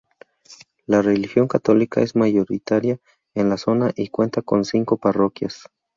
La religión católica es mayoritaria en la zona y cuenta con cinco parroquias.